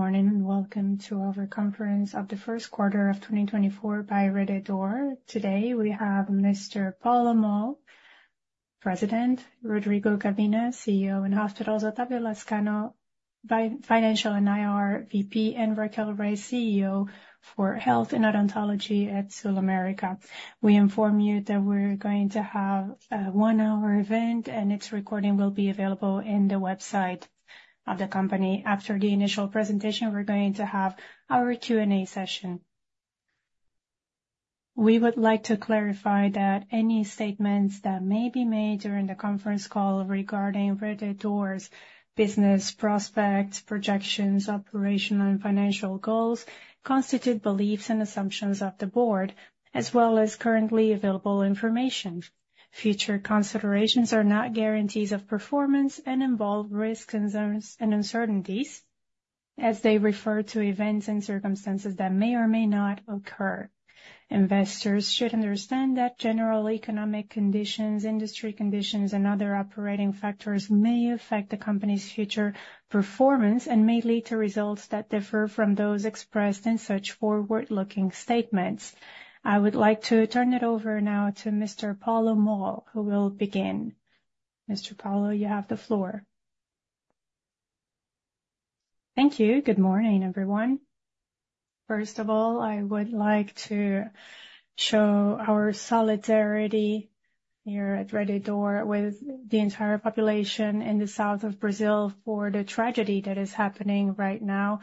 Good morning and welcome to our conference of the first quarter of 2024 by Rede D'Or. Today we have Mr. Paulo Moll, President, Rodrigo Gavina, CEO in Hospitals, Otávio Lazcano, Financial and IR VP, and Raquel Reis, CEO for Health and Odontology at SulAmérica. We inform you that we're going to have a one-hour event and its recording will be available on the website of the company. After the initial presentation, we're going to have our Q&A session. We would like to clarify that any statements that may be made during the conference call regarding Rede D'Or's business prospects, projections, operational, and financial goals constitute beliefs and assumptions of the board, as well as currently available information. Future considerations are not guarantees of performance and involve risk concerns and uncertainties, as they refer to events and circumstances that may or may not occur. Investors should understand that general economic conditions, industry conditions, and other operating factors may affect the company's future performance and may lead to results that differ from those expressed in such forward-looking statements. I would like to turn it over now to Mr. Paulo Moll, who will begin. Mr. Paulo, you have the floor. Thank you. Good morning, everyone. First of all, I would like to show our solidarity here at Rede D'Or with the entire population in the South of Brazil for the tragedy that is happening right now,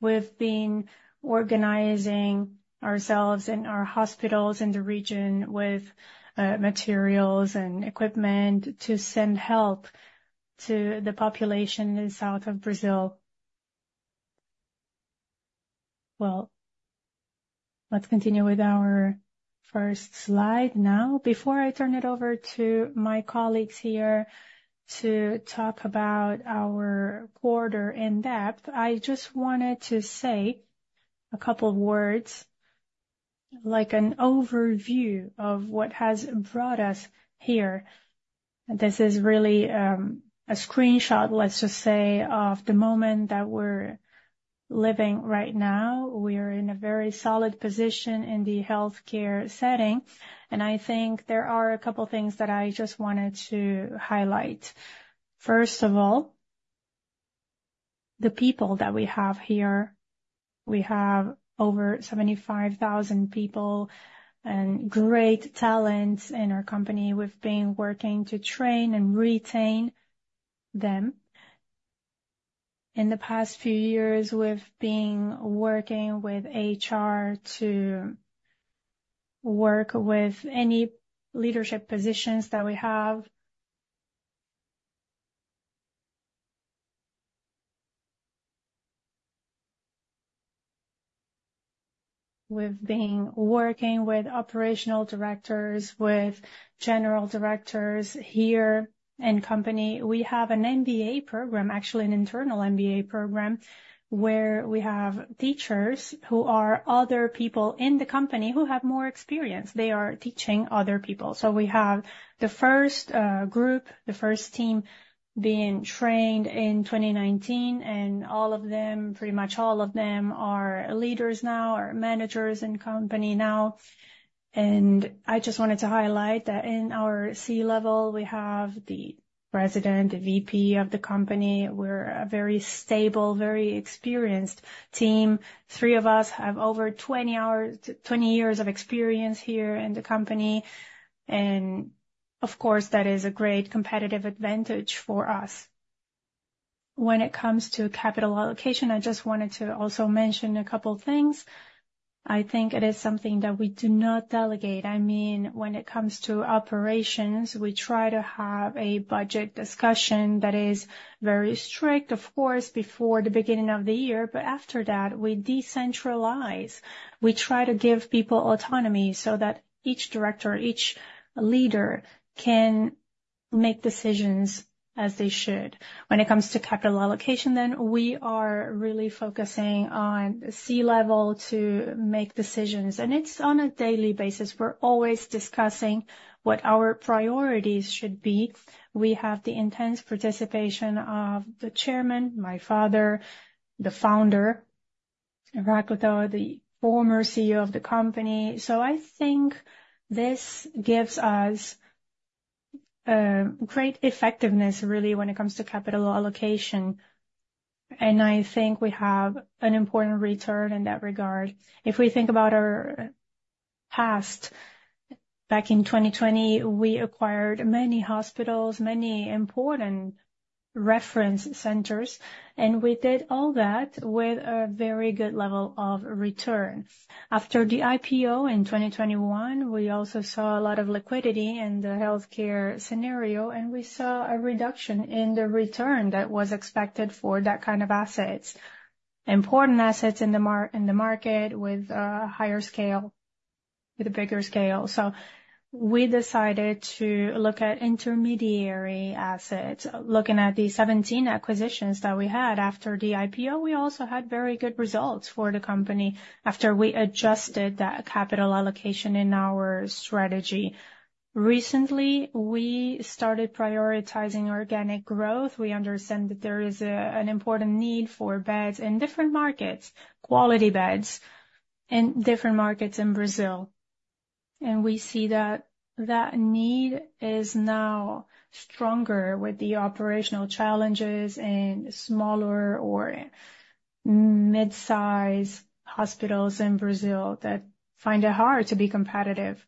with being organizing ourselves and our hospitals in the region with materials and equipment to send help to the population in the South of Brazil. Well, let's continue with our first slide now. Before I turn it over to my colleagues here to talk about our quarter in depth, I just wanted to say a couple of words, like an overview of what has brought us here. This is really a screenshot, let's just say, of the moment that we're living right now. We are in a very solid position in the healthcare setting, and I think there are a couple of things that I just wanted to highlight. First of all, the people that we have here. We have over 75,000 people and great talents in our company. We've been working to train and retain them. In the past few years, we've been working with HR to work with any leadership positions that we have. We've been working with operational directors, with general directors here in company. We have an MBA program, actually an internal MBA program, where we have teachers who are other people in the company who have more experience. They are teaching other people. So we have the first group, the first team being trained in 2019, and all of them, pretty much all of them, are leaders now, are managers in company now. I just wanted to highlight that in our C-level, we have the president, the VP of the company. We're a very stable, very experienced team. Three of us have over 20 years of experience here in the company, and of course, that is a great competitive advantage for us. When it comes to capital allocation, I just wanted to also mention a couple of things. I think it is something that we do not delegate. I mean, when it comes to operations, we try to have a budget discussion that is very strict, of course, before the beginning of the year, but after that, we decentralize. We try to give people autonomy so that each director, each leader can make decisions as they should. When it comes to capital allocation, then, we are really focusing on C-level to make decisions, and it's on a daily basis. We're always discussing what our priorities should be. We have the intense participation of the chairman, my father, the founder, Rede D'Or, the former CEO of the company. So I think this gives us great effectiveness, really, when it comes to capital allocation, and I think we have an important return in that regard. If we think about our past, back in 2020, we acquired many hospitals, many important reference centers, and we did all that with a very good level of return. After the IPO in 2021, we also saw a lot of liquidity in the healthcare scenario, and we saw a reduction in the return that was expected for that kind of assets, important assets in the market with a higher scale, with a bigger scale. So we decided to look at intermediary assets, looking at the 17 acquisitions that we had after the IPO. We also had very good results for the company after we adjusted that capital allocation in our strategy. Recently, we started prioritizing organic growth. We understand that there is an important need for beds in different markets, quality beds in different markets in Brazil. We see that that need is now stronger with the operational challenges in smaller or midsize hospitals in Brazil that find it hard to be competitive.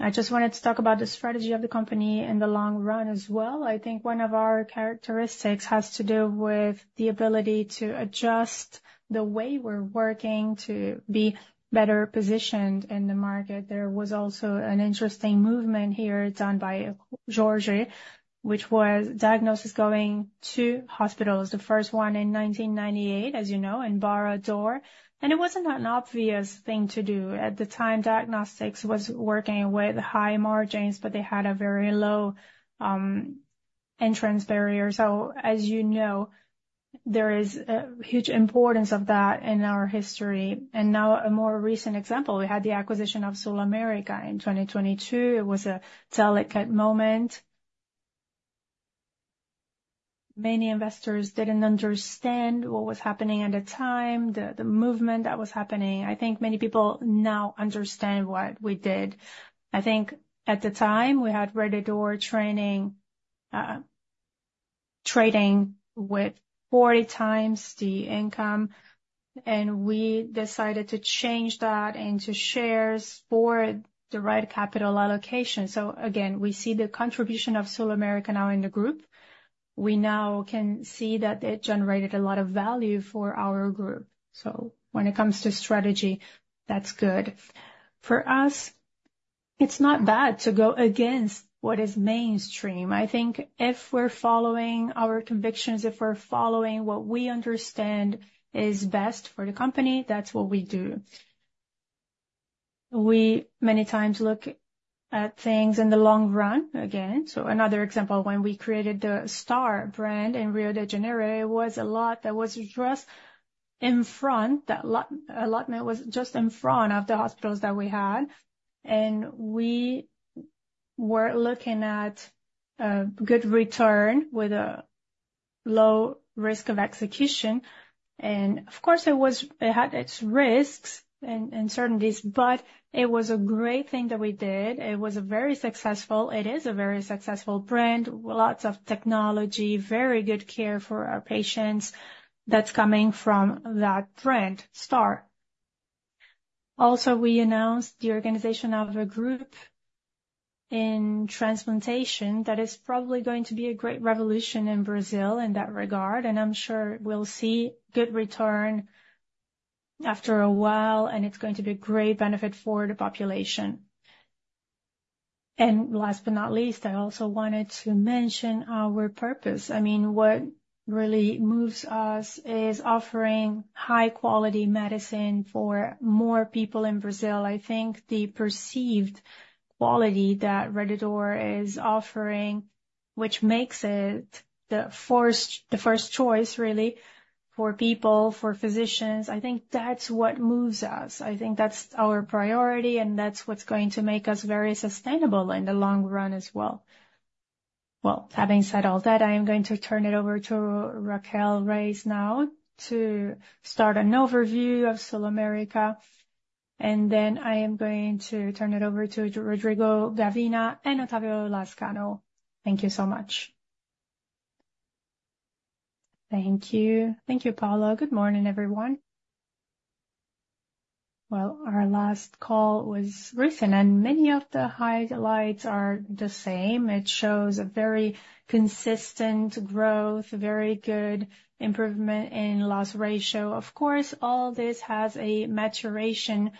I just wanted to talk about the strategy of the company in the long run as well. I think one of our characteristics has to do with the ability to adjust the way we're working to be better positioned in the market. There was also an interesting movement here done by Jorge, which was diagnostics going to hospitals, the first one in 1998, as you know, in Barra D'Or. And it wasn't an obvious thing to do. At the time, diagnostics was working with high margins, but they had a very low entrance barrier. So, as you know, there is a huge importance of that in our history. And now, a more recent example, we had the acquisition of SulAmérica in 2022. It was a delicate moment. Many investors didn't understand what was happening at the time, the movement that was happening. I think many people now understand what we did. I think at the time, we had Rede D'Or trading with 40x the income, and we decided to change that into shares for the right capital allocation. So, again, we see the contribution of SulAmérica now in the group. We now can see that it generated a lot of value for our group. So, when it comes to strategy, that's good. For us, it's not bad to go against what is mainstream. I think if we're following our convictions, if we're following what we understand is best for the company, that's what we do. We, many times, look at things in the long run again. So, another example, when we created the Star brand in Rio de Janeiro, it was a lot that was just in front. That allotment was just in front of the hospitals that we had. We were looking at a good return with a low risk of execution. Of course, it had its risks and certainties, but it was a great thing that we did. It was very successful. It is a very successful brand, lots of technology, very good care for our patients that's coming from that brand, Star. Also, we announced the organization of a group in transplantation that is probably going to be a great revolution in Brazil in that regard, and I'm sure we'll see good return after a while, and it's going to be a great benefit for the population. Last but not least, I also wanted to mention our purpose. I mean, what really moves us is offering high-quality medicine for more people in Brazil. I think the perceived quality that Rede D'Or is offering, which makes it the first choice, really, for people, for physicians, I think that's what moves us. I think that's our priority, and that's what's going to make us very sustainable in the long run as well. Well, having said all that, I am going to turn it over to Raquel Reis now to start an overview of SulAmérica, and then I am going to turn it over to Rodrigo Gavina and Otávio Lazcano. Thank you so much. Thank you. Thank you, Paulo. Good morning, everyone. Well, our last call was recent, and many of the highlights are the same. It shows a very consistent growth, very good improvement in loss ratio. Of course, all this has a maturation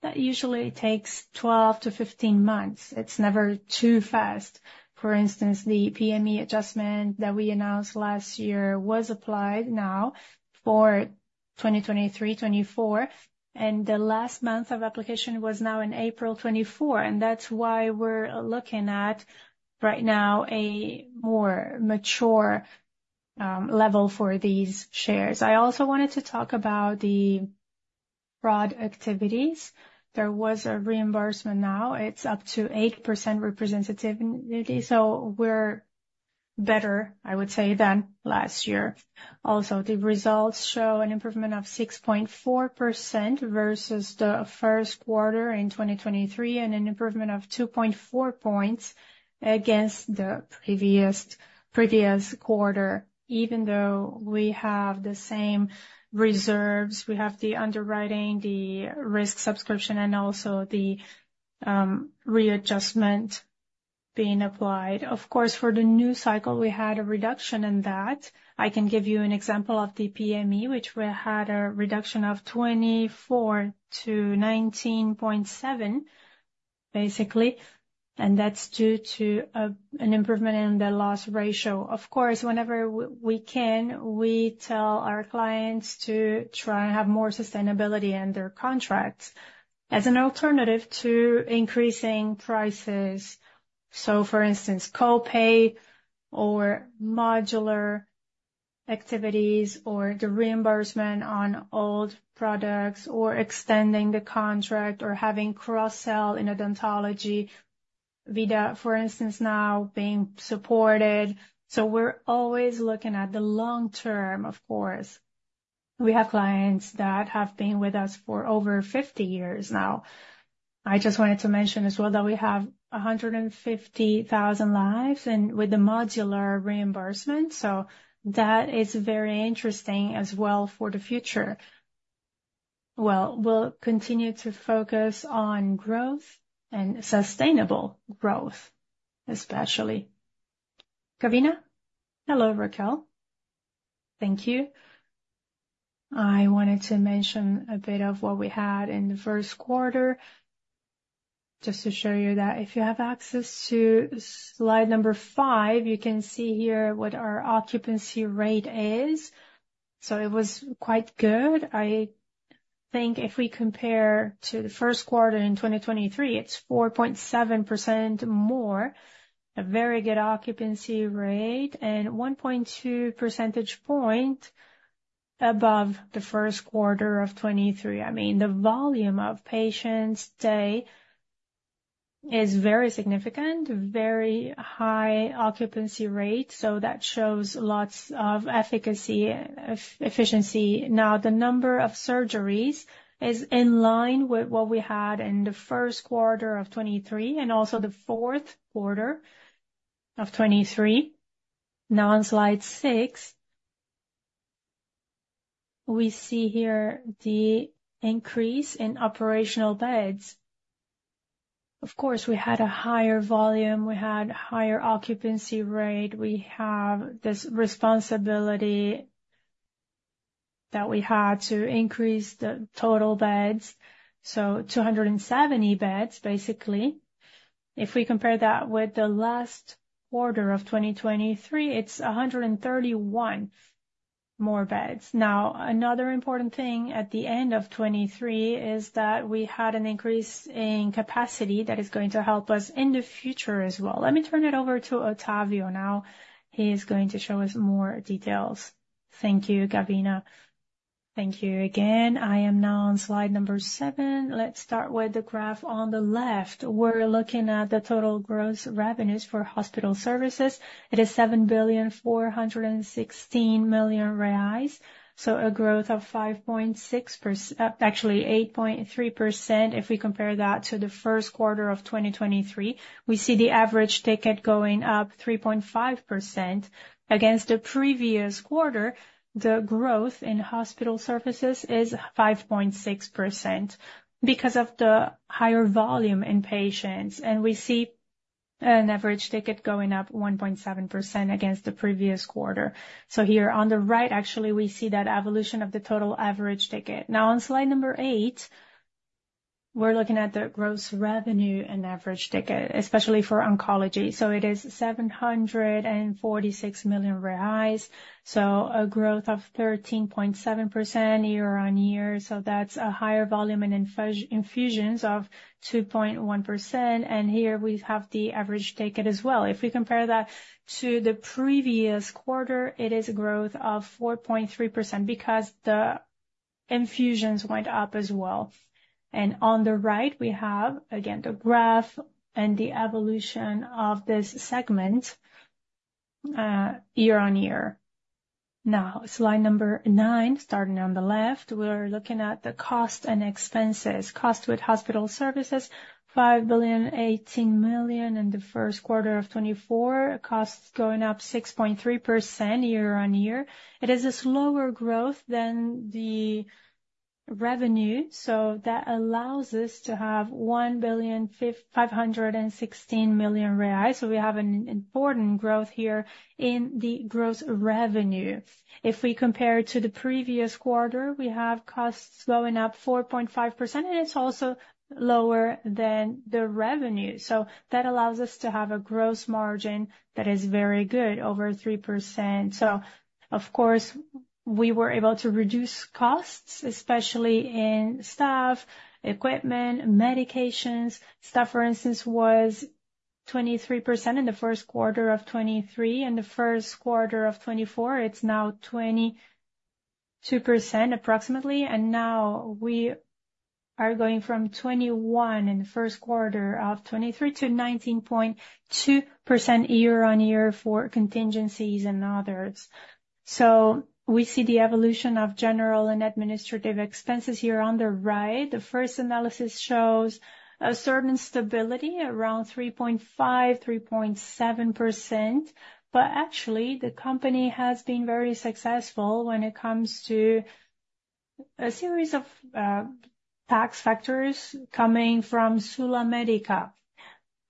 that usually takes 12 to 15 months. It's never too fast. For instance, the PME adjustment that we announced last year was applied now for 2023-2024, and the last month of application was now in April 2024, and that's why we're looking at right now a more mature level for these shares. I also wanted to talk about the fraud activities. There was a reimbursement now. It's up to 8% representativity, so we're better, I would say, than last year. Also, the results show an improvement of 6.4% versus the first quarter in 2023 and an improvement of 2.4 points against the previous quarter, even though we have the same reserves. We have the underwriting, the risk subscription, and also the readjustment being applied. Of course, for the new cycle, we had a reduction in that. I can give you an example of the PME, which we had a reduction of 24%-19.7%, basically, and that's due to an improvement in the loss ratio. Of course, whenever we can, we tell our clients to try and have more sustainability in their contracts as an alternative to increasing prices. So, for instance, copay or modular activities or the reimbursement on old products or extending the contract or having cross-sell in odontology via, for instance, now being supported. So we're always looking at the long term, of course. We have clients that have been with us for over 50 years now. I just wanted to mention as well that we have 150,000 lives with the modular reimbursement, so that is very interesting as well for the future. Well, we'll continue to focus on growth and sustainable growth, especially. Gavina? Hello, Raquel. Thank you. I wanted to mention a bit of what we had in the first quarter just to show you that if you have access to slide number 5, you can see here what our occupancy rate is. So it was quite good. I think if we compare to the first quarter in 2023, it's 4.7% more, a very good occupancy rate, and 1.2 percentage points above the first quarter of 2023. I mean, the volume of patients' day is very significant, very high occupancy rate, so that shows lots of efficacy, efficiency. Now, the number of surgeries is in line with what we had in the first quarter of 2023 and also the fourth quarter of 2023. Now, on slide 6, we see here the increase in operational beds. Of course, we had a higher volume. We had a higher occupancy rate. We have this responsibility that we had to increase the total beds, so 270 beds, basically. If we compare that with the last quarter of 2023, it's 131 more beds. Now, another important thing at the end of 2023 is that we had an increase in capacity that is going to help us in the future as well. Let me turn it over to Otávio now. He is going to show us more details. Thank you, Gavina. Thank you again. I am now on slide number 7. Let's start with the graph on the left. We're looking at the total gross revenues for hospital services. It is 7,416,000,000 reais, so a growth of 5.6%, actually 8.3%. If we compare that to the first quarter of 2023, we see the average ticket going up 3.5%. Against the previous quarter, the growth in hospital services is 5.6% because of the higher volume in patients, and we see an average ticket going up 1.7% against the previous quarter. So here on the right, actually, we see that evolution of the total average ticket. Now, on slide number 8, we're looking at the gross revenue and average ticket, especially for oncology. So it is 746,000,000 reais, so a growth of 13.7% year-on-year. So that's a higher volume in infusions of 2.1%. And here we have the average ticket as well. If we compare that to the previous quarter, it is a growth of 4.3% because the infusions went up as well. And on the right, we have, again, the graph and the evolution of this segment year-on-year. Now, slide number 9, starting on the left, we're looking at the cost and expenses. Costs with hospital services, 5.018 billion in the first quarter of 2024, costs going up 6.3% year-over-year. It is a slower growth than the revenue, so that allows us to have 1.516 billion reais. So we have an important growth here in the gross revenue. If we compare to the previous quarter, we have costs going up 4.5%, and it's also lower than the revenue. So that allows us to have a gross margin that is very good, over 3%. So, of course, we were able to reduce costs, especially in staff, equipment, medications. Staff, for instance, was 23% in the first quarter of 2023. In the first quarter of 2024, it's now 22% approximately, and now we are going from 21% in the first quarter of 2023 to 19.2% year-over-year for contingencies and others. So we see the evolution of general and administrative expenses here on the right. The first analysis shows a certain stability around 3.5%-3.7%, but actually, the company has been very successful when it comes to a series of tax factors coming from SulAmérica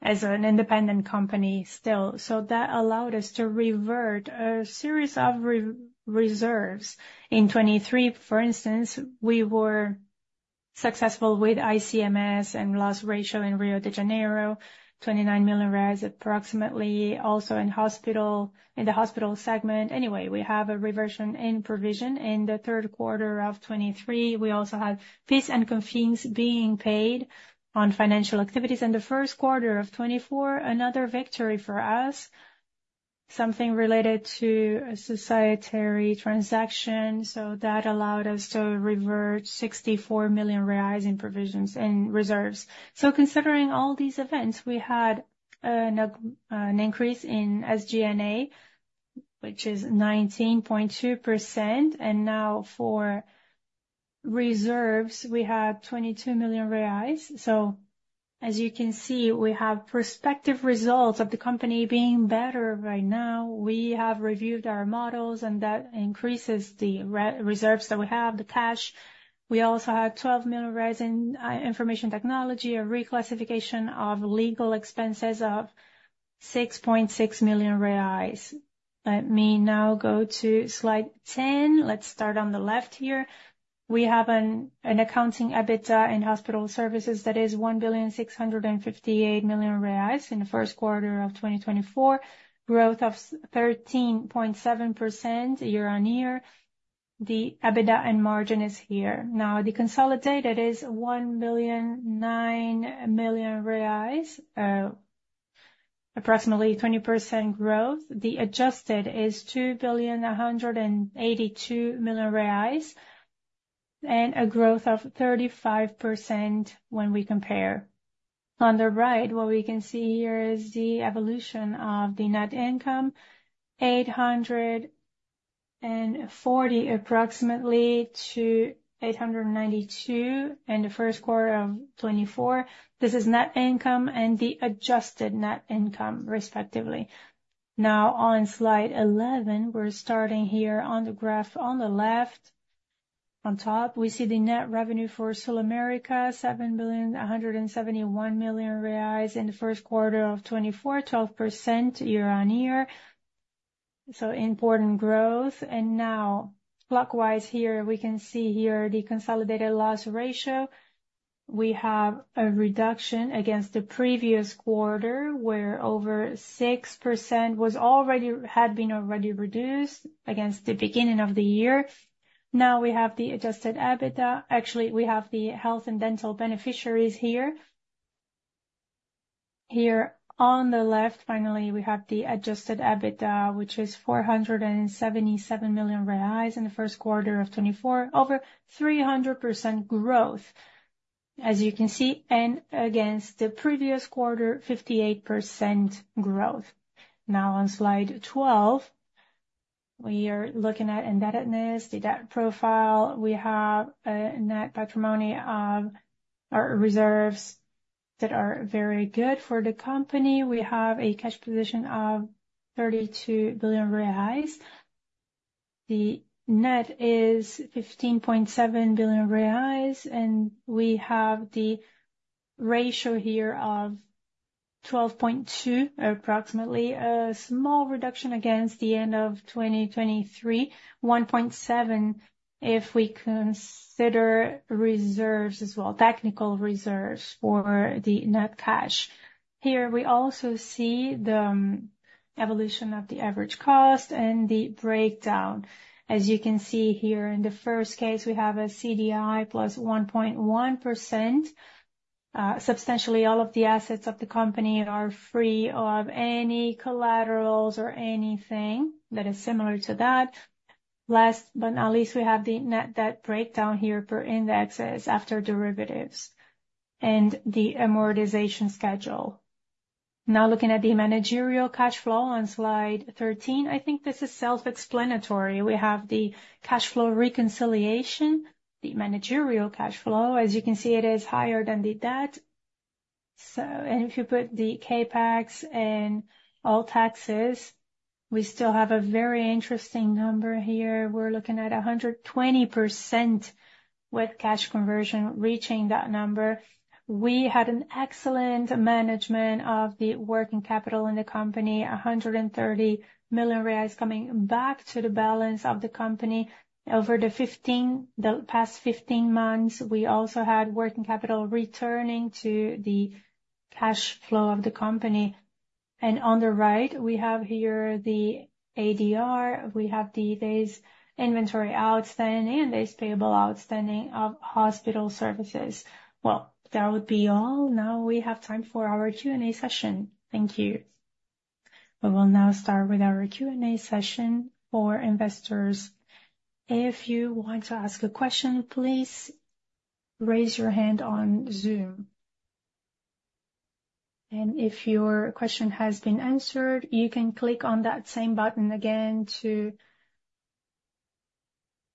as an independent company still. So that allowed us to revert a series of reserves. In 2023, for instance, we were successful with ICMS and loss ratio in Rio de Janeiro, 29 million approximately, also in the hospital segment. Anyway, we have a reversion in provision in the third quarter of 2023. We also had fees and conveniences being paid on financial activities. In the first quarter of 2024, another victory for us, something related to a societary transaction. So that allowed us to revert 64 million reais in provisions and reserves. So considering all these events, we had an increase in SG&A, which is 19.2%, and now for reserves, we had 22 million reais. So, as you can see, we have prospective results of the company being better right now. We have reviewed our models, and that increases the reserves that we have, the cash. We also had 12 million reais in information technology, a reclassification of legal expenses of 6.6 million reais. Let me now go to slide 10. Let's start on the left here. We have an accounting EBITDA in hospital services that is 1,658,000,000 reais in the first quarter of 2024, growth of 13.7% year-over-year. The EBITDA and margin is here. Now, the consolidated is 1,009,000,000 reais, approximately 20% growth. The adjusted is 2,182,000,000 reais and a growth of 35% when we compare. On the right, what we can see here is the evolution of the net income, 840 approximately to 892 in the first quarter of 2024. This is net income and the adjusted net income, respectively. Now, on slide 11, we're starting here on the graph on the left. On top, we see the net revenue for SulAmérica, 7,171,000,000 reais in the first quarter of 2024, 12% year-on-year. So important growth. Now, clockwise here, we can see here the consolidated loss ratio. We have a reduction against the previous quarter where over 6% had been already reduced against the beginning of the year. Now we have the adjusted EBITDA. Actually, we have the health and dental beneficiaries here. Here on the left, finally, we have the adjusted EBITDA, which is 477 million reais in the first quarter of 2024, over 300% growth, as you can see, and against the previous quarter, 58% growth. Now, on slide 12, we are looking at indebtedness, the debt profile. We have a net patrimony of our reserves that are very good for the company. We have a cash position of 32 billion reais. The net is 15.7 billion reais, and we have the ratio here of 12.2, approximately a small reduction against the end of 2023, 1.7 if we consider reserves as well, technical reserves for the net cash. Here we also see the evolution of the average cost and the breakdown. As you can see here in the first case, we have a CDI plus 1.1%. Substantially, all of the assets of the company are free of any collaterals or anything that is similar to that. Last but not least, we have the net debt breakdown here per indexes after derivatives and the amortization schedule. Now, looking at the managerial cash flow on slide 13, I think this is self-explanatory. We have the cash flow reconciliation, the managerial cash flow. As you can see, it is higher than the debt. And if you put the CapEx and all taxes, we still have a very interesting number here. We're looking at 120% with cash conversion reaching that number. We had an excellent management of the working capital in the company, 130 million reais coming back to the balance of the company over the past 15 months. We also had working capital returning to the cash flow of the company. On the right, we have here the AR. We have today's inventory outstanding and today's payable outstanding of hospital services. Well, that would be all. Now we have time for our Q&A session. Thank you. We will now start with our Q&A session for investors. If you want to ask a question, please raise your hand on Zoom. And if your question has been answered, you can click on that same button again to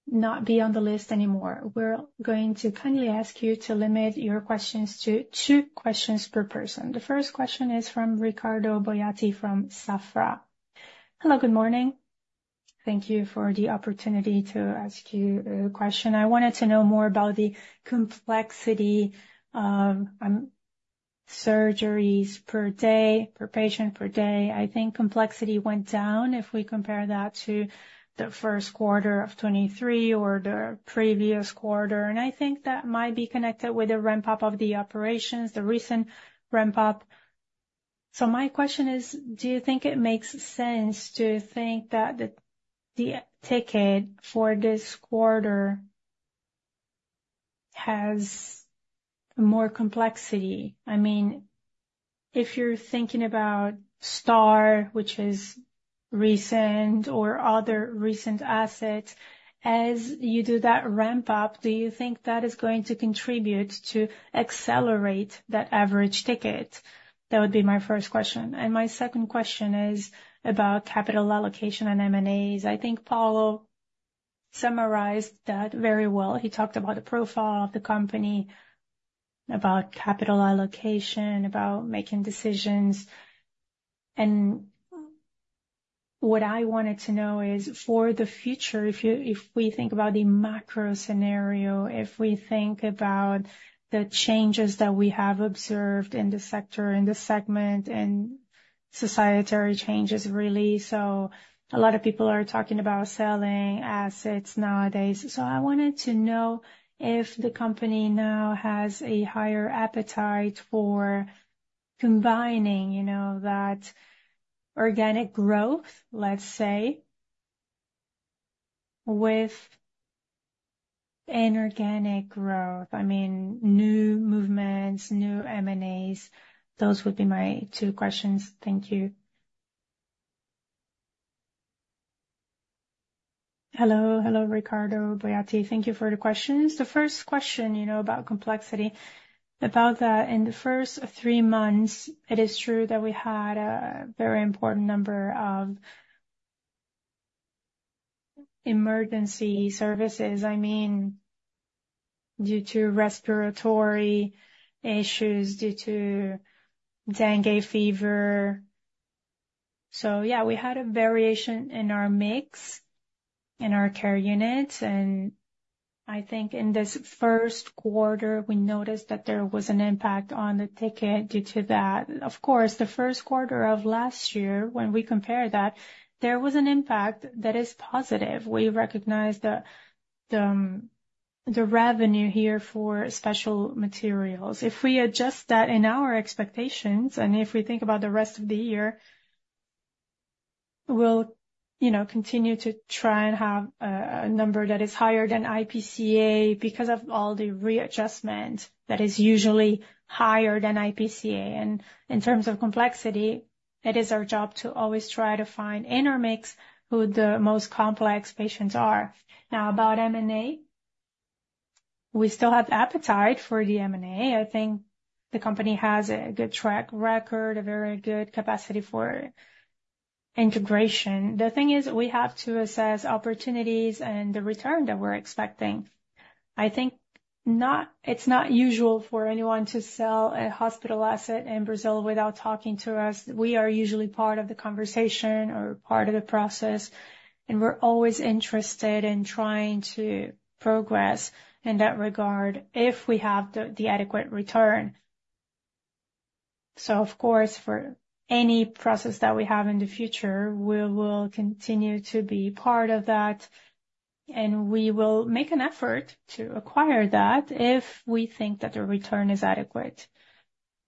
not be on the list anymore. We're going to kindly ask you to limit your questions to two questions per person. The first question is from Ricardo Boiati from Banco Safra. Hello, good morning. Thank you for the opportunity to ask you a question. I wanted to know more about the complexity of surgeries per day, per patient, per day. I think complexity went down if we compare that to the first quarter of 2023 or the previous quarter. And I think that might be connected with the ramp-up of the operations, the recent ramp-up. So my question is, do you think it makes sense to think that the ticket for this quarter has more complexity? I mean, if you're thinking about STAR, which is recent, or other recent assets, as you do that ramp-up, do you think that is going to contribute to accelerate that average ticket? That would be my first question. And my second question is about capital allocation and M&As. I think Paulo summarized that very well. He talked about the profile of the company, about capital allocation, about making decisions. What I wanted to know is for the future, if we think about the macro scenario, if we think about the changes that we have observed in the sector, in the segment, and societary changes really. So a lot of people are talking about selling assets nowadays. So I wanted to know if the company now has a higher appetite for combining, you know, that organic growth, let's say, with inorganic growth. I mean, new movements, new M&As. Those would be my two questions. Thank you. Hello, hello, Ricardo Boiati. Thank you for the questions. The first question, you know, about complexity, about that, in the first three months, it is true that we had a very important number of emergency services. I mean, due to respiratory issues, due to dengue fever. So yeah, we had a variation in our mix in our care units. I think in this first quarter, we noticed that there was an impact on the ticket due to that. Of course, the first quarter of last year, when we compare that, there was an impact that is positive. We recognize the revenue here for special materials. If we adjust that in our expectations, and if we think about the rest of the year, we'll, you know, continue to try and have a number that is higher than IPCA because of all the readjustment that is usually higher than IPCA. In terms of complexity, it is our job to always try to find in our mix who the most complex patients are. Now, about M&A, we still have appetite for the M&A. I think the company has a good track record, a very good capacity for integration. The thing is, we have to assess opportunities and the return that we're expecting. I think it's not usual for anyone to sell a hospital asset in Brazil without talking to us. We are usually part of the conversation or part of the process, and we're always interested in trying to progress in that regard if we have the adequate return. So, of course, for any process that we have in the future, we will continue to be part of that, and we will make an effort to acquire that if we think that the return is adequate.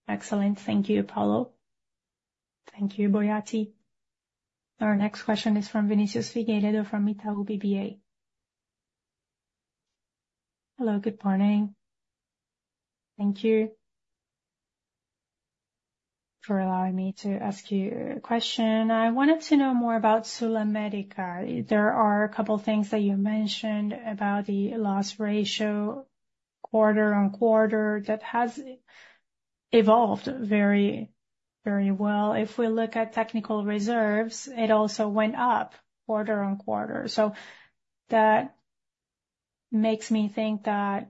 Excellent. Thank you, Paulo. Thank you, Boiati. Our next question is from Vinícius Figueiredo from Itaú BBA. Hello, good morning. Thank you for allowing me to ask you a question. I wanted to know more about SulAmérica. There are a couple of things that you mentioned about the loss ratio quarter-over-quarter that has evolved very, very well. If we look at technical reserves, it also went up quarter-over-quarter. So that makes me think that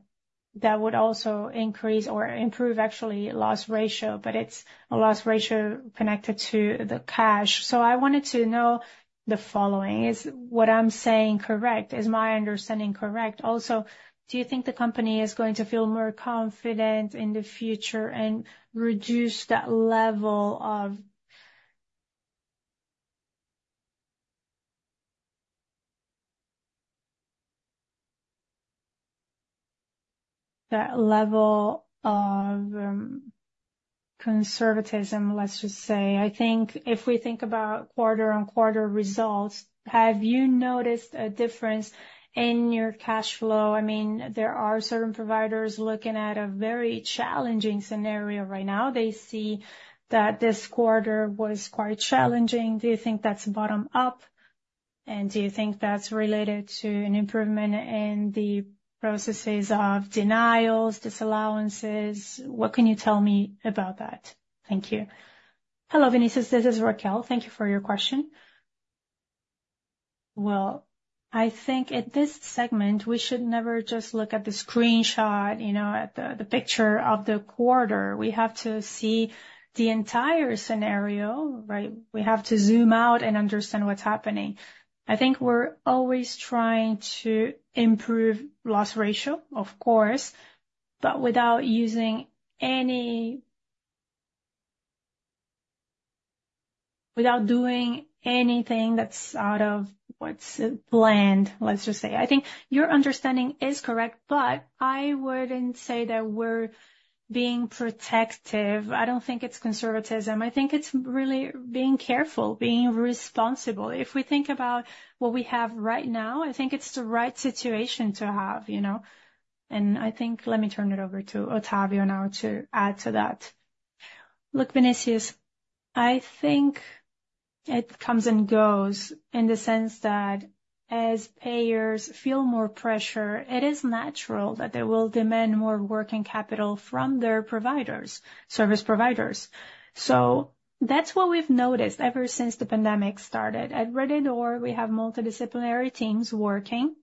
that would also increase or improve, actually, loss ratio, but it's a loss ratio connected to the cash. So I wanted to know the following. Is what I'm saying correct? Is my understanding correct? Also, do you think the company is going to feel more confident in the future and reduce that level of that level of conservatism, let's just say? I think if we think about quarter-over-quarter results, have you noticed a difference in your cash flow? I mean, there are certain providers looking at a very challenging scenario right now. They see that this quarter was quite challenging. Do you think that's bottom-up? Do you think that's related to an improvement in the processes of denials, disallowances? What can you tell me about that? Thank you. Hello, Vinícius. This is Raquel. Thank you for your question. Well, I think at this segment, we should never just look at the screenshot, you know, at the picture of the quarter. We have to see the entire scenario, right? We have to zoom out and understand what's happening. I think we're always trying to improve loss ratio, of course, but without using any without doing anything that's out of what's planned, let's just say. I think your understanding is correct, but I wouldn't say that we're being protective. I don't think it's conservatism. I think it's really being careful, being responsible. If we think about what we have right now, I think it's the right situation to have, you know? I think let me turn it over to Otávio now to add to that. Look, Vinícius, I think it comes and goes in the sense that as payers feel more pressure, it is natural that they will demand more working capital from their providers, service providers. So that's what we've noticed ever since the pandemic started. At Rede D'Or, we have multidisciplinary teams working.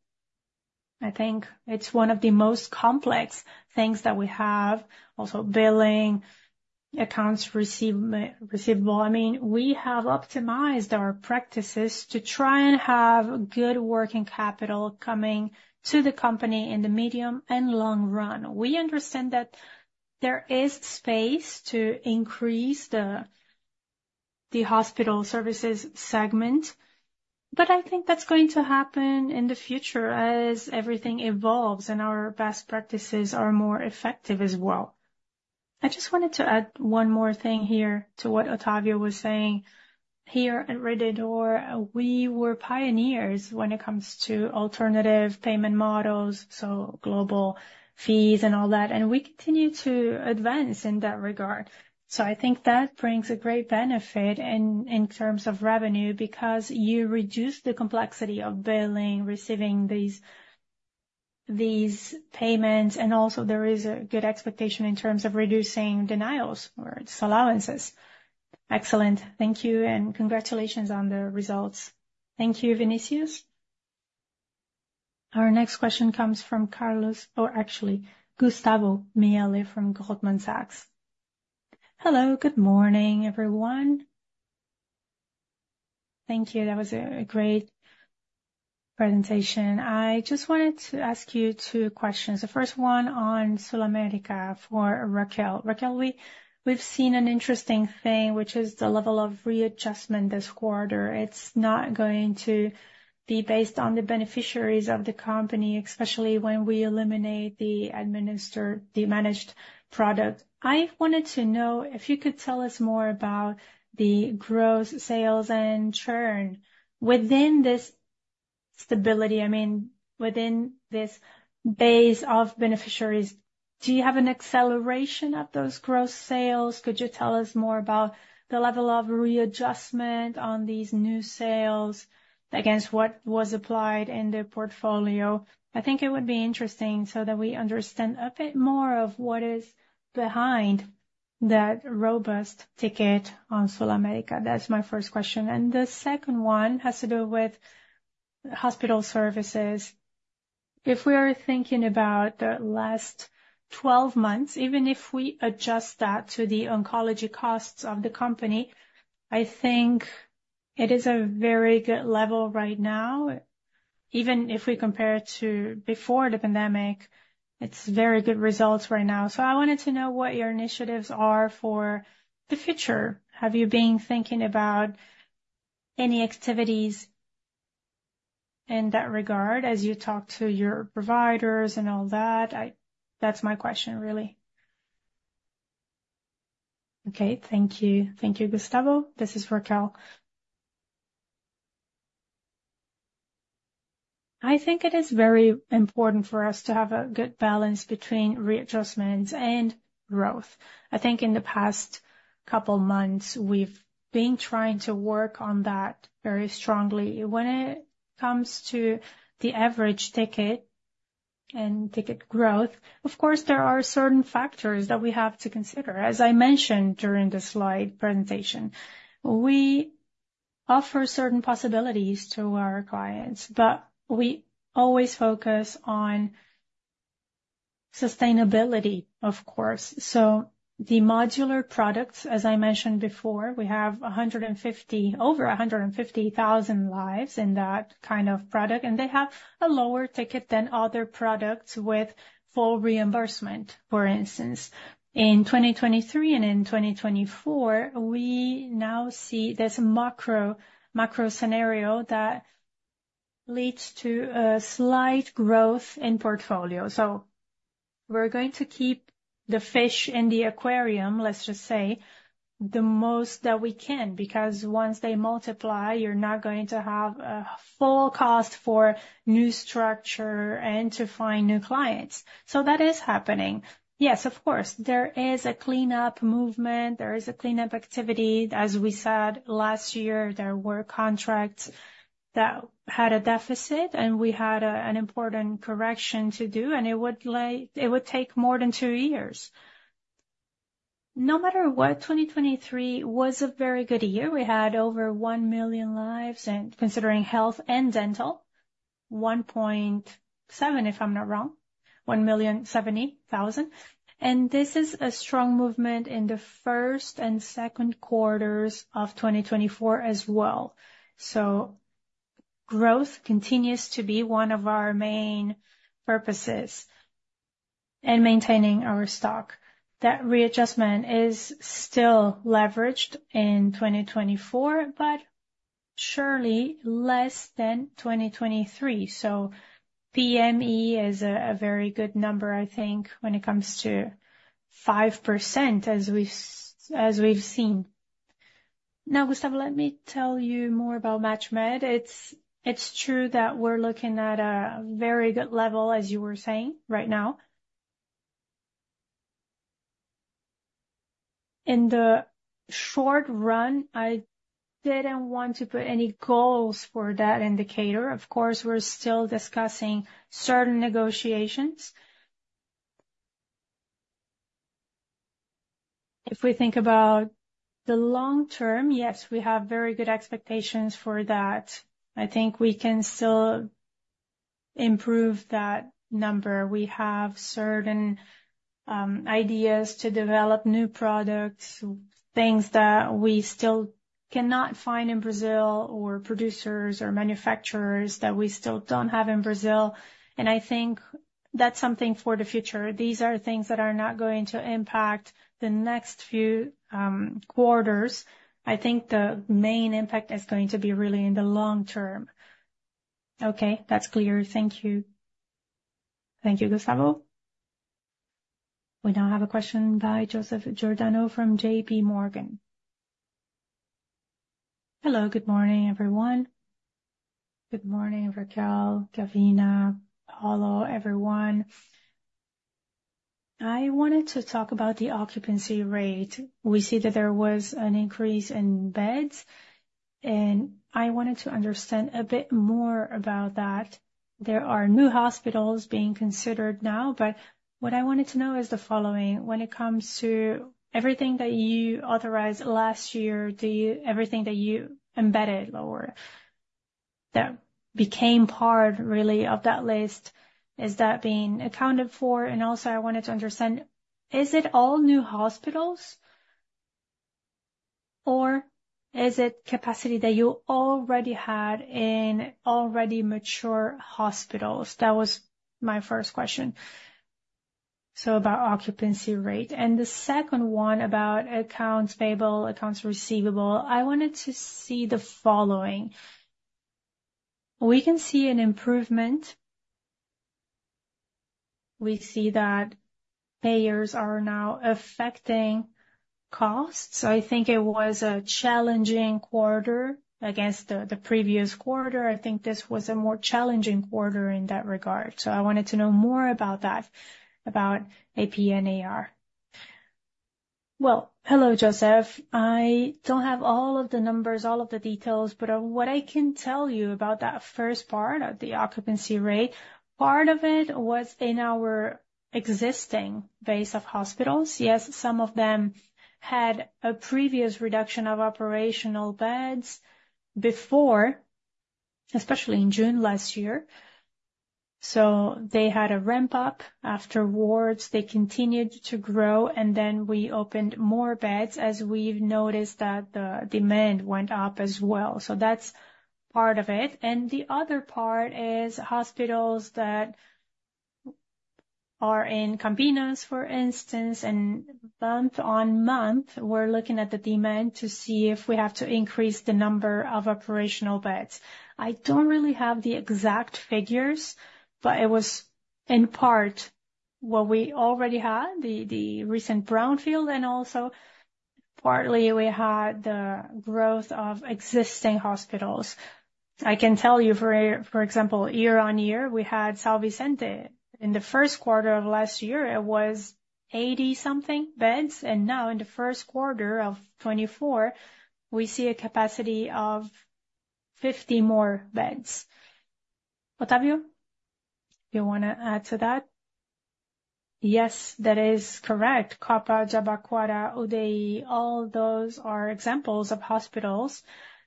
I think it's one of the most complex things that we have. Also, billing, accounts receivable. I mean, we have optimized our practices to try and have good working capital coming to the company in the medium and long run. We understand that there is space to increase the hospital services segment, but I think that's going to happen in the future as everything evolves and our best practices are more effective as well. I just wanted to add one more thing here to what Otávio was saying. Here at Rede D'Or, we were pioneers when it comes to alternative payment models, so global fees and all that, and we continue to advance in that regard. So I think that brings a great benefit in terms of revenue because you reduce the complexity of billing, receiving these payments, and also there is a good expectation in terms of reducing denials or disallowances. Excellent. Thank you and congratulations on the results. Thank you, Vinícius. Our next question comes from Carlos, or actually, Gustavo Miele from Goldman Sachs. Hello, good morning, everyone. Thank you. That was a great presentation. I just wanted to ask you two questions. The first one on SulAmérica, for Raquel. Raquel, we've seen an interesting thing, which is the level of readjustment this quarter. It's not going to be based on the beneficiaries of the company, especially when we eliminate the administered, the managed product. I wanted to know if you could tell us more about the gross sales and churn. Within this stability, I mean, within this base of beneficiaries, do you have an acceleration of those gross sales? Could you tell us more about the level of readjustment on these new sales against what was applied in the portfolio? I think it would be interesting so that we understand a bit more of what is behind that robust ticket on SulAmérica. That's my first question. The second one has to do with hospital services. If we are thinking about the last 12 months, even if we adjust that to the oncology costs of the company, I think it is a very good level right now. Even if we compare it to before the pandemic, it's very good results right now. So I wanted to know what your initiatives are for the future. Have you been thinking about any activities in that regard as you talk to your providers and all that? That's my question, really. Okay. Thank you. Thank you, Gustavo. This is Raquel. I think it is very important for us to have a good balance between readjustments and growth. I think in the past couple of months, we've been trying to work on that very strongly. When it comes to the average ticket and ticket growth, of course, there are certain factors that we have to consider. As I mentioned during the slide presentation, we offer certain possibilities to our clients, but we always focus on sustainability, of course. So the modular products, as I mentioned before, we have over 150,000 lives in that kind of product, and they have a lower ticket than other products with full reimbursement, for instance. In 2023 and in 2024, we now see this macro scenario that leads to a slight growth in portfolio. So we're going to keep the fish in the aquarium, let's just say, the most that we can because once they multiply, you're not going to have a full cost for new structure and to find new clients. So that is happening. Yes, of course, there is a cleanup movement. There is a cleanup activity. As we said last year, there were contracts that had a deficit, and we had an important correction to do, and it would take more than two years. No matter what, 2023 was a very good year. We had over 1 million lives and considering health and dental, 1.7, if I'm not wrong, 1,078,000. This is a strong movement in the first and second quarters of 2024 as well. So growth continues to be one of our main purposes in maintaining our stock. That readjustment is still leveraged in 2024, but surely less than 2023. So PME is a very good number, I think, when it comes to 5% as we've seen. Now, Gustavo, let me tell you more about Mat/Med. It's true that we're looking at a very good level, as you were saying, right now. In the short run, I didn't want to put any goals for that indicator. Of course, we're still discussing certain negotiations. If we think about the long term, yes, we have very good expectations for that. I think we can still improve that number. We have certain ideas to develop new products, things that we still cannot find in Brazil or producers or manufacturers that we still don't have in Brazil. And I think that's something for the future. These are things that are not going to impact the next few quarters. I think the main impact is going to be really in the long term. Okay. That's clear. Thank you. Thank you, Gustavo. We now have a question by Joseph Giordano from JPMorgan. Hello, good morning, everyone. Good morning, Raquel, Gavina, Paulo, everyone. I wanted to talk about the occupancy rate. We see that there was an increase in beds, and I wanted to understand a bit more about that. There are new hospitals being considered now, but what I wanted to know is the following. When it comes to everything that you authorized last year, do you everything that you embedded or that became part, really, of that list, is that being accounted for? And also, I wanted to understand, is it all new hospitals, or is it capacity that you already had in already mature hospitals? That was my first question. So about occupancy rate. And the second one about accounts payable, accounts receivable, I wanted to see the following. We can see an improvement. We see that payers are now affecting costs. So I think it was a challenging quarter against the previous quarter. I think this was a more challenging quarter in that regard. So I wanted to know more about that, about AP and AR. Well, hello, Joseph. I don't have all of the numbers, all of the details, but what I can tell you about that first part of the occupancy rate, part of it was in our existing base of hospitals. Yes, some of them had a previous reduction of operational beds before, especially in June last year. So they had a ramp-up. Afterwards, they continued to grow, and then we opened more beds as we've noticed that the demand went up as well. So that's part of it. The other part is hospitals that are in Campinas, for instance, and month-on-month, we're looking at the demand to see if we have to increase the number of operational beds. I don't really have the exact figures, but it was in part what we already had, the recent Brownfield, and also partly we had the growth of existing hospitals. I can tell you, for example, year on year, we had São Vicente. In the first quarter of last year, it was 80-something beds, and now in the first quarter of 2024, we see a capacity of 50 more beds. Otávio, you want to add to that? Yes, that is correct. Copa, Jabaquara, UDI, all those are examples of hospitals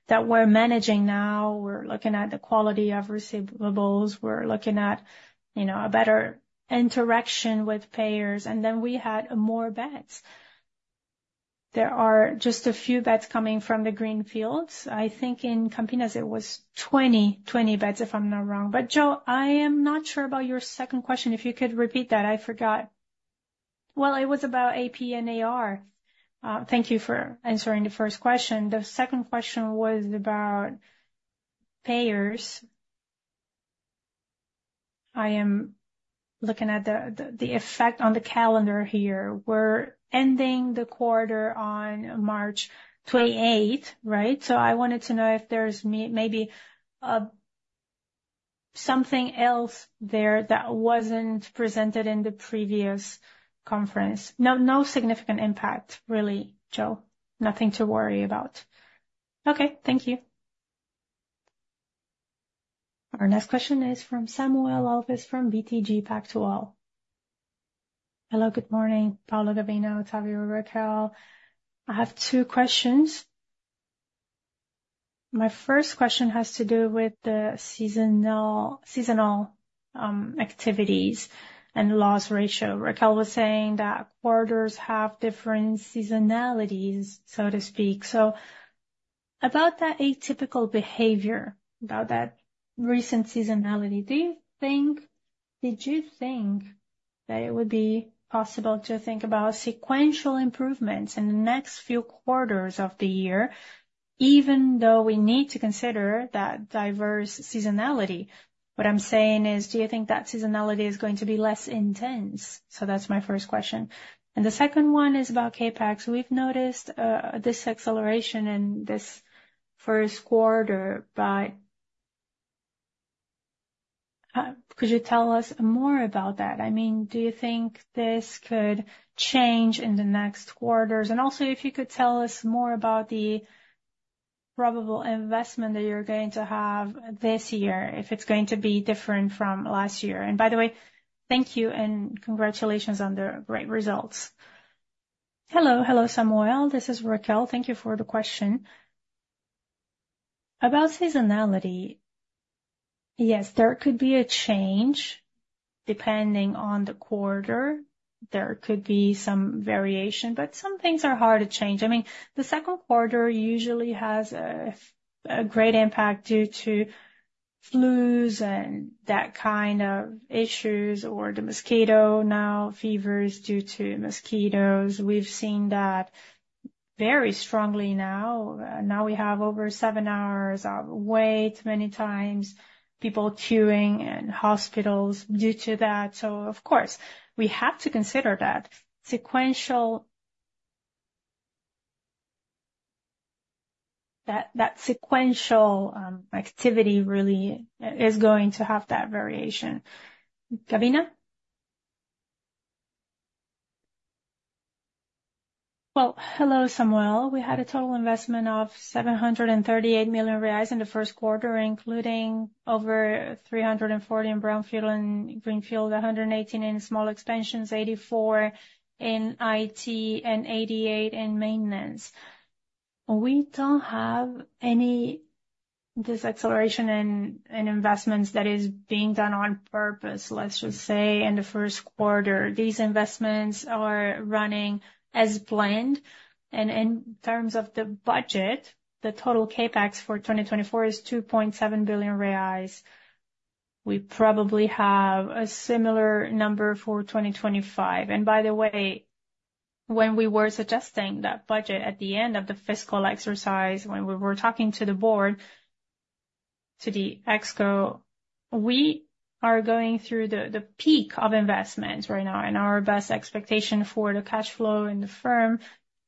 that we're managing now. We're looking at the quality of receivables. We're looking at a better interaction with payers, and then we had more beds. There are just a few beds coming from the greenfields. I think in Campinas, it was 20 beds, if I'm not wrong. But Joe, I am not sure about your second question. If you could repeat that, I forgot. Well, it was about AP and AR. Thank you for answering the first question. The second question was about payers. I am looking at the effect on the calendar here. We're ending the quarter on March 28th, right? So I wanted to know if there's maybe something else there that wasn't presented in the previous conference. No significant impact, really, Joe. Nothing to worry about. Okay. Thank you. Our next question is from Samuel Alves from BTG Pactual. Hello, good morning, Paulo, Gavina, Otávio, Raquel. I have two questions. My first question has to do with the seasonal activities and loss ratio. Raquel was saying that quarters have different seasonalities, so to speak. So about that atypical behavior, about that recent seasonality, do you think that it would be possible to think about sequential improvements in the next few quarters of the year, even though we need to consider that diverse seasonality? What I'm saying is, do you think that seasonality is going to be less intense? That's my first question. The second one is about CapEx. We've noticed this acceleration in this first quarter, but could you tell us more about that? I mean, do you think this could change in the next quarters? Also, if you could tell us more about the probable investment that you're going to have this year, if it's going to be different from last year. By the way, thank you and congratulations on the great results. Hello, hello, Samuel. This is Raquel. Thank you for the question. About seasonality, yes, there could be a change depending on the quarter. There could be some variation, but some things are hard to change. I mean, the second quarter usually has a great impact due to flus and that kind of issues or the mosquito-borne fevers due to mosquitoes. We've seen that very strongly now. Now we have over seven hours of wait many times, people queuing in hospitals due to that. So of course, we have to consider that sequential activity really is going to have that variation. Gavina? Well, hello, Samuel. We had a total investment of 738 million reais in the first quarter, including over 340 in Brownfield and Greenfield, 118 in small expansions, 84 in IT, and 88 in maintenance. We don't have any this acceleration and investments that is being done on purpose, let's just say, in the first quarter. These investments are running as planned. In terms of the budget, the total CapEx for 2024 is 2.7 billion reais. We probably have a similar number for 2025. And by the way, when we were suggesting that budget at the end of the fiscal exercise, when we were talking to the board, to the Exco, we are going through the peak of investments right now. And our best expectation for the cash flow in the firm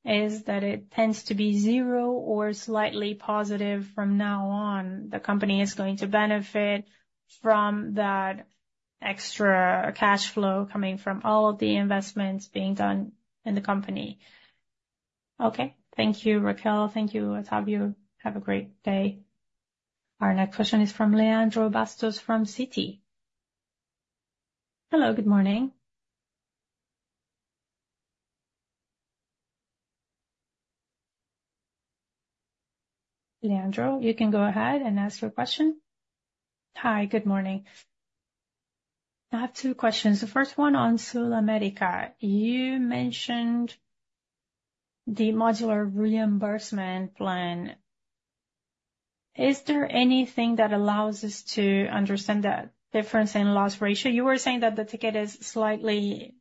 is that it tends to be zero or slightly positive from now on. The company is going to benefit from that extra cash flow coming from all of the investments being done in the company. Okay. Thank you, Raquel. Thank you, Otávio. Have a great day. Our next question is from Leandro Bastos from Citi. Hello, good morning. Leandro, you can go ahead and ask your question. Hi, good morning. I have two questions. The first one on SulAmérica. You mentioned the modular reimbursement plan. Is there anything that allows us to understand that difference in loss ratio? You were saying that the ticket is slightly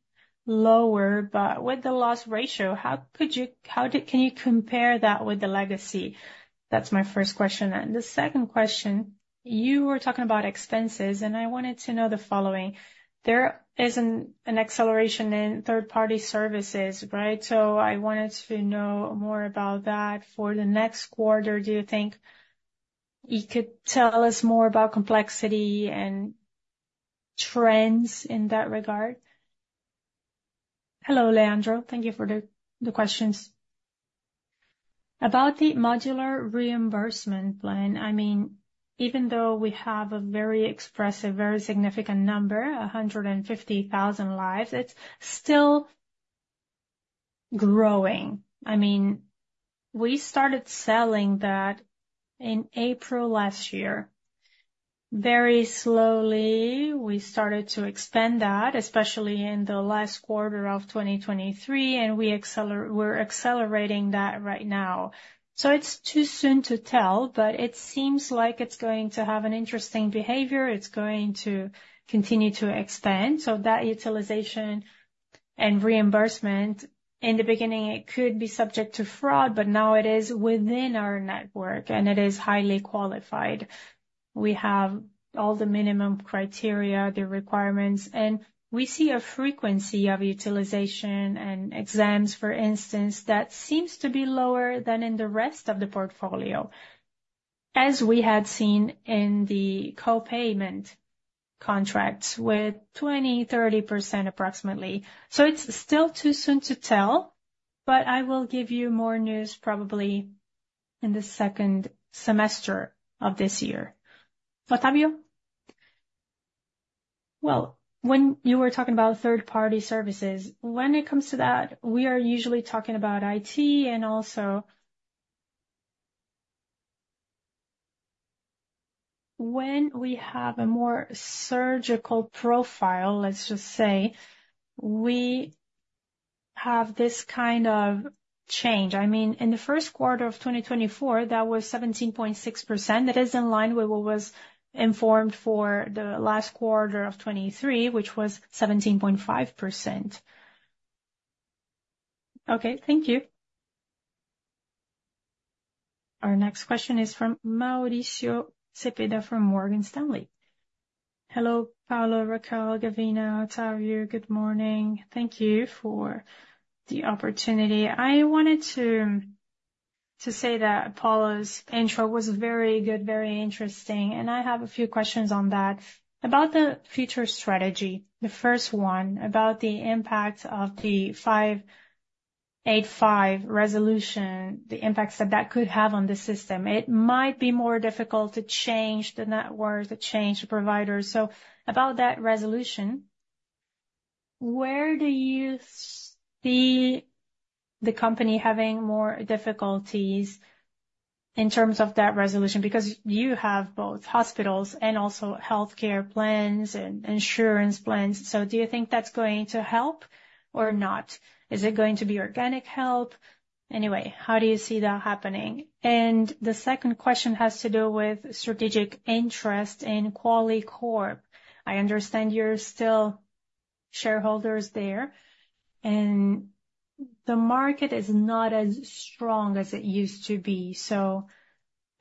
lower, but with the loss ratio, how could you can you compare that with the legacy? That's my first question. And the second question, you were talking about expenses, and I wanted to know the following. There is an acceleration in third-party services, right? So I wanted to know more about that. For the next quarter, do you think you could tell us more about complexity and trends in that regard? Hello, Leandro. Thank you for the questions. About the modular reimbursement plan, I mean, even though we have a very expressive, very significant number, 150,000 lives, it's still growing. I mean, we started selling that in April last year. Very slowly, we started to expand that, especially in the last quarter of 2023, and we're accelerating that right now. So it's too soon to tell, but it seems like it's going to have an interesting behavior. It's going to continue to expand. So that utilization and reimbursement, in the beginning, it could be subject to fraud, but now it is within our network, and it is highly qualified. We have all the minimum criteria, the requirements, and we see a frequency of utilization and exams, for instance, that seems to be lower than in the rest of the portfolio, as we had seen in the copayment contracts with 20%-30% approximately. So it's still too soon to tell, but I will give you more news probably in the second semester of this year. Otávio? Well, when you were talking about third-party services, when it comes to that, we are usually talking about IT and also when we have a more surgical profile, let's just say, we have this kind of change. I mean, in the first quarter of 2024, that was 17.6%. That is in line with what was informed for the last quarter of 2023, which was 17.5%. Okay. Thank you. Our next question is from Maurício Cepeda from Morgan Stanley. Hello, Paulo, Raquel, Gavina, Otávio. Good morning. Thank you for the opportunity. I wanted to say that Paulo's intro was very good, very interesting, and I have a few questions on that. About the future strategy, the first one about the impact of the 585 resolution, the impacts that that could have on the system. It might be more difficult to change the networks, to change the providers. About that resolution, where do you see the company having more difficulties in terms of that resolution? Because you have both hospitals and also healthcare plans and insurance plans. Do you think that's going to help or not? Is it going to be organic help? Anyway, how do you see that happening? The second question has to do with strategic interest in Qualicorp. I understand you're still shareholders there, and the market is not as strong as it used to be.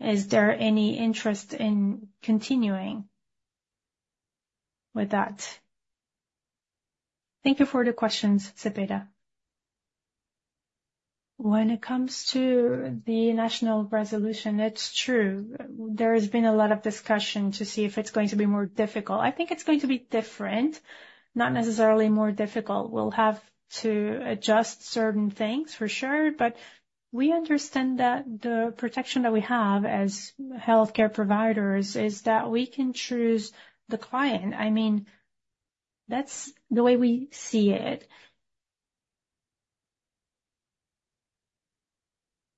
Is there any interest in continuing with that? Thank you for the questions, Cepeda. When it comes to the national resolution, it's true. There has been a lot of discussion to see if it's going to be more difficult. I think it's going to be different, not necessarily more difficult. We'll have to adjust certain things for sure, but we understand that the protection that we have as healthcare providers is that we can choose the client. I mean, that's the way we see it.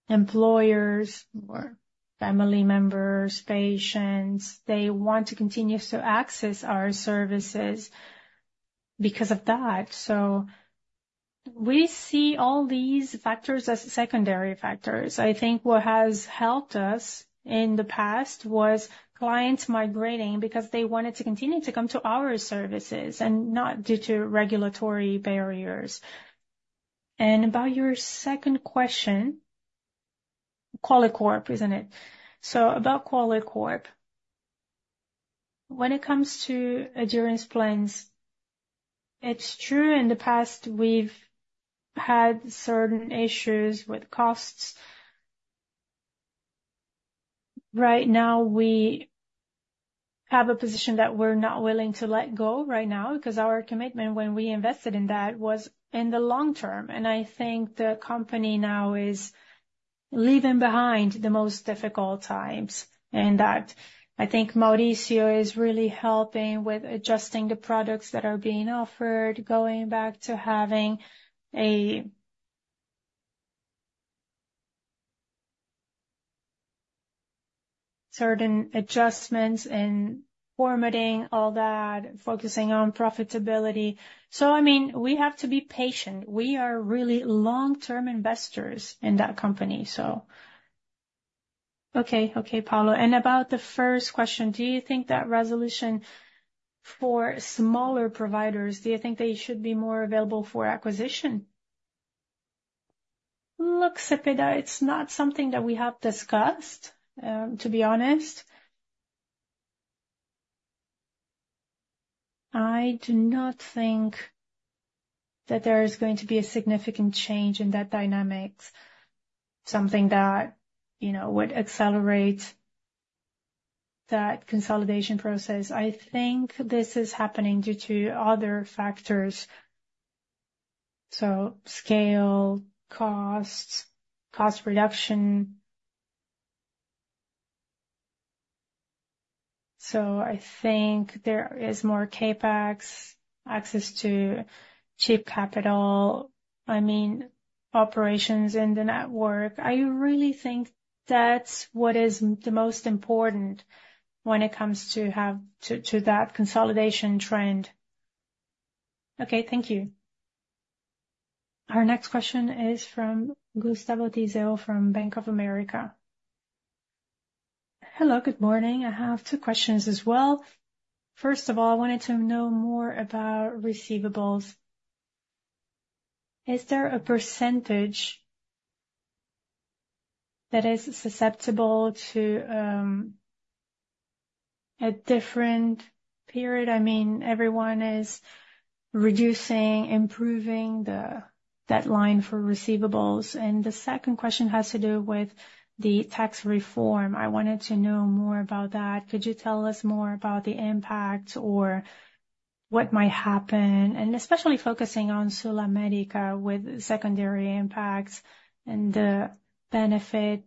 Employers or family members, patients, they want to continue to access our services because of that. So we see all these factors as secondary factors. I think what has helped us in the past was clients migrating because they wanted to continue to come to our services and not due to regulatory barriers. And about your second question, Qualicorp, isn't it? So about Qualicorp, when it comes to adherence plans, it's true. In the past, we've had certain issues with costs. Right now, we have a position that we're not willing to let go right now because our commitment when we invested in that was in the long term. I think the company now is leaving behind the most difficult times in that. I think Maurício is really helping with adjusting the products that are being offered, going back to having certain adjustments in formatting, all that, focusing on profitability. So I mean, we have to be patient. We are really long-term investors in that company, so. Okay, okay, Paulo. And about the first question, do you think that resolution for smaller providers, do you think they should be more available for acquisition? Look, Cepeda, it's not something that we have discussed, to be honest. I do not think that there is going to be a significant change in that dynamic, something that would accelerate that consolidation process. I think this is happening due to other factors, so scale, costs, cost reduction. So I think there is more CapEx, access to cheap capital, I mean, operations in the network. I really think that's what is the most important when it comes to that consolidation trend. Okay. Thank you. Our next question is from Gustavo Tiseo from Bank of America. Hello, good morning. I have two questions as well. First of all, I wanted to know more about receivables. Is there a percentage that is susceptible to a different period? I mean, everyone is reducing, improving that line for receivables. And the second question has to do with the tax reform. I wanted to know more about that. Could you tell us more about the impact or what might happen, and especially focusing on SulAmérica with secondary impacts and the benefit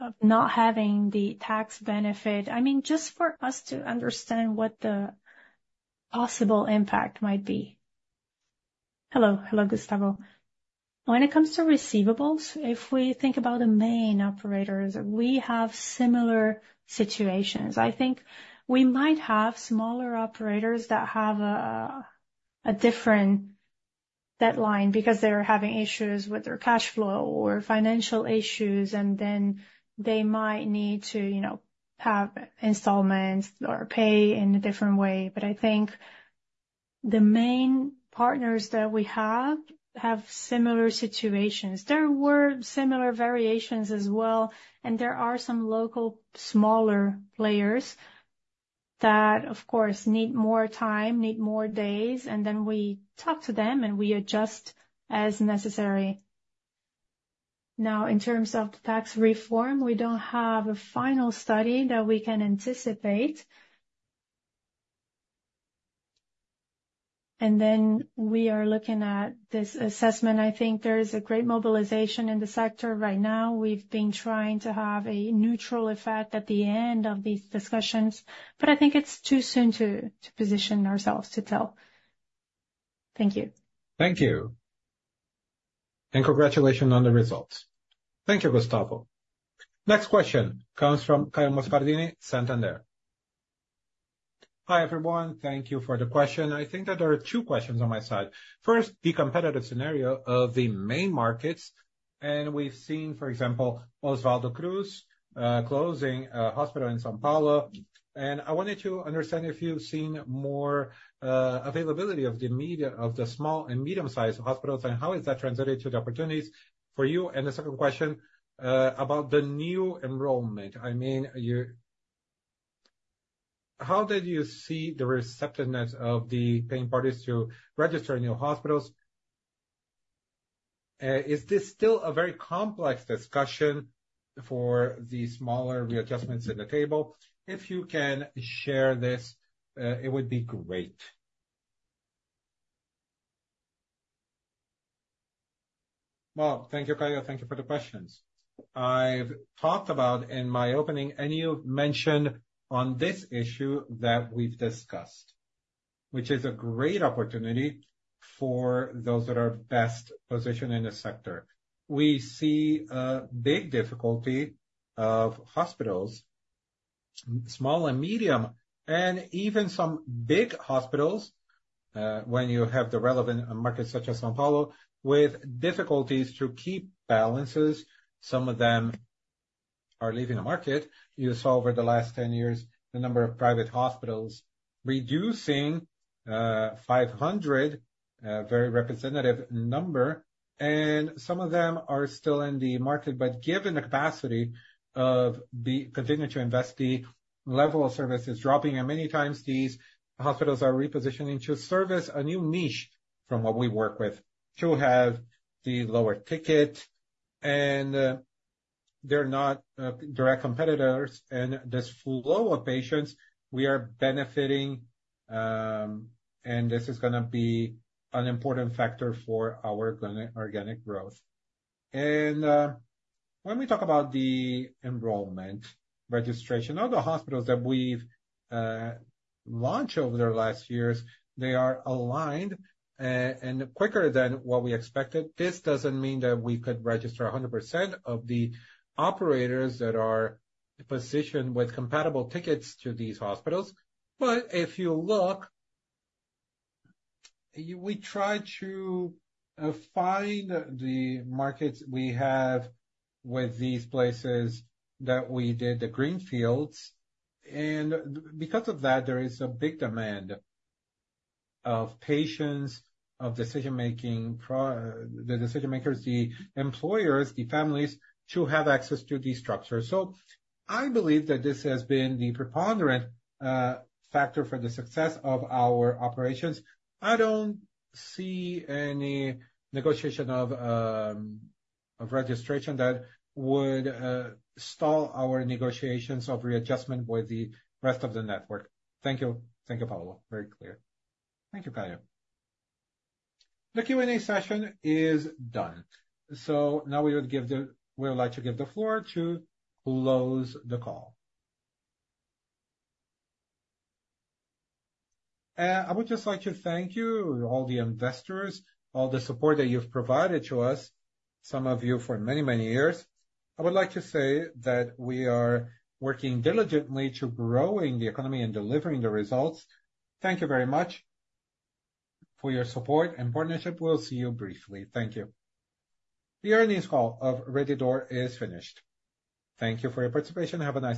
of not having the tax benefit? I mean, just for us to understand what the possible impact might be. Hello. Hello, Gustavo. When it comes to receivables, if we think about the main operators, we have similar situations. I think we might have smaller operators that have a different deadline because they're having issues with their cash flow or financial issues, and then they might need to have installments or pay in a different way. But I think the main partners that we have have similar situations. There were similar variations as well, and there are some local smaller players that, of course, need more time, need more days, and then we talk to them and we adjust as necessary. Now, in terms of the tax reform, we don't have a final study that we can anticipate. And then we are looking at this assessment. I think there is a great mobilization in the sector right now. We've been trying to have a neutral effect at the end of these discussions, but I think it's too soon to position ourselves to tell. Thank you. Thank you. And congratulations on the results. Thank you, Gustavo. Next question comes from Caio Moscardini, Santander. Hi, everyone. Thank you for the question. I think that there are two questions on my side. First, the competitive scenario of the main markets. And we've seen, for example, Oswaldo Cruz closing a hospital in São Paulo. And I wanted to understand if you've seen more availability of the small and medium-sized hospitals and how has that translated to the opportunities for you. And the second question about the new enrollment. I mean, how did you see the receptiveness of the paying parties to register new hospitals? Is this still a very complex discussion for the smaller readjustments in the table? If you can share this, it would be great. Well, thank you, Caio. Thank you for the questions. I've talked about in my opening, and you've mentioned on this issue that we've discussed, which is a great opportunity for those that are best positioned in the sector. We see a big difficulty of hospitals, small and medium, and even some big hospitals when you have the relevant markets such as São Paulo with difficulties to keep balances. Some of them are leaving the market. You saw over the last 10 years the number of private hospitals reducing 500, a very representative number, and some of them are still in the market. But given the capacity of continuing to invest, the level of service is dropping. Many times, these hospitals are repositioning to service a new niche from what we work with to have the lower ticket, and they're not direct competitors. And this flow of patients, we are benefiting, and this is going to be an important factor for our organic growth. And when we talk about the enrollment registration, all the hospitals that we've launched over the last years, they are aligned and quicker than what we expected. This doesn't mean that we could register 100% of the operators that are positioned with compatible tickets to these hospitals. But if you look, we try to find the markets we have with these places that we did the greenfields. And because of that, there is a big demand of patients, of decision-makers, the employers, the families to have access to these structures. So I believe that this has been the preponderant factor for the success of our operations. I don't see any negotiation of registration that would stall our negotiations of readjustment with the rest of the network. Thank you. Thank you, Paulo. Very clear. Thank you, Caio. The Q&A session is done. So now we would like to give the floor to close the call. I would just like to thank you, all the investors, all the support that you've provided to us, some of you for many, many years. I would like to say that we are working diligently to growing the economy and delivering the results. Thank you very much for your support and partnership. We'll see you briefly. Thank you. The earnings call of Rede D'Or is finished. Thank you for your participation. Have a.